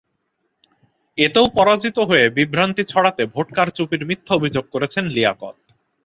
এতেও পরাজিত হয়ে বিভ্রান্তি ছড়াতে ভোট কারচুপির মিথ্যা অভিযোগ করছেন লিয়াকত।